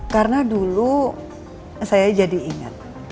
karena dulu saya jadi inget